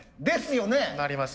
ですよね。